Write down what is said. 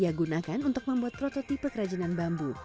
yang kita gunakan untuk membuat prototipe kerajinan bambu